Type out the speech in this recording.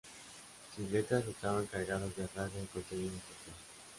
Sus letras estaban cargadas de rabia y contenido social.